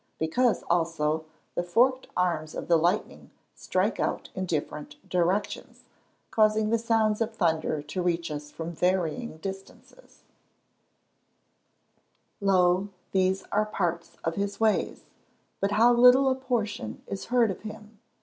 Because, also, the forked arms of the lightning strike out in different directions, causing the sounds of thunder to reach us from varying distances. [Verse: "Lo, these are parts of his ways; but how little a portion is heard of him?